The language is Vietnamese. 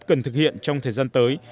cần thực hiện trong thời gian tới